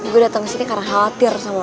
gue dateng kesini karena khawatir sama lo